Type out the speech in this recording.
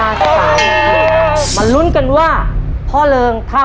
ทาราบังชุดรับแขกเนี่ยออกวางแผงในปีภศ๒๕๔๖ค่ะ